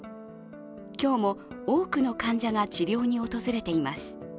今日も多くの患者が治療に訪れています。